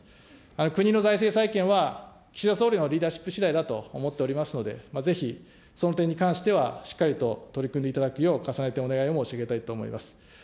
国の財政再建は、岸田総理のリーダーシップしだいだと思っておりますので、ぜひその点に関してはしっかりと取り組んでいただくよう、重ねてお願いを申し上げたいと思います。